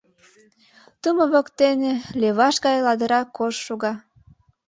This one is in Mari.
Тумо воктене леваш гай ладыра кож шога.